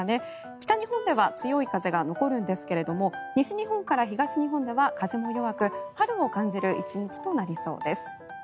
北日本では強い風が残るんですが西日本から東日本では風も弱く春を感じる１日となりそうです。